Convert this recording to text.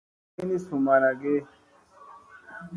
Agi ni suu ma ana age.